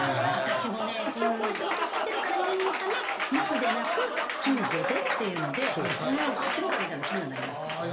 私もね一応こういう仕事してるから念のため密でなく近所でっていうのでちょっと走ろうかみたいな気にはなりました。